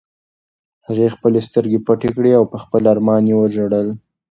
هغې خپلې سترګې پټې کړې او په خپل ارمان یې وژړل.